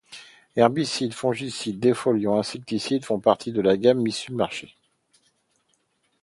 Herbicides, fongicides, défoliants, insecticides font partie de la gamme mise en marché.